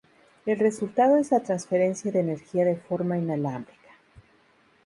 El resultado es la transferencia de energía de forma inalámbrica.